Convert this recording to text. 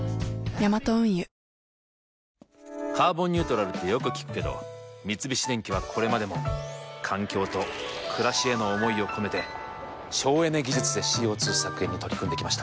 ヤマト運輸「カーボンニュートラル」ってよく聞くけど三菱電機はこれまでも環境と暮らしへの思いを込めて省エネ技術でＣＯ２削減に取り組んできました。